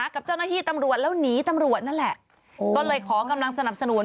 กับเจ้าหน้าที่ตำรวจแล้วหนีตำรวจนั่นแหละก็เลยขอกำลังสนับสนุน